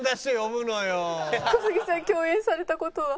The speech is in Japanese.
小杉さん共演された事は？